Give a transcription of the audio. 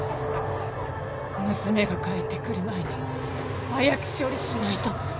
娘が帰ってくる前に早く処理しないと。